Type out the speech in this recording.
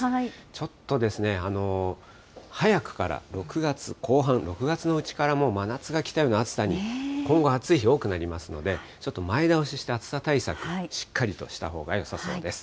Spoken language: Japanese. ちょっとですね、早くから６月後半、６月のうちから、もう真夏が来たような暑さに、今後、暑い日多くなりますので、ちょっと前倒しして、暑さ対策、しっかりとしたほうがよさそうです。